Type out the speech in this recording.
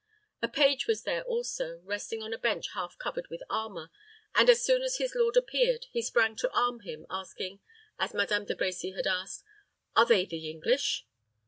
A page was there also, resting on a bench half covered with armor, and, as soon as his lord appeared, he sprang to arm him, asking, as Madame De Brecy had asked, "Are they the English?"